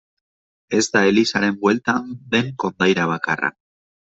Ez da elizaren bueltan den kondaira bakarra.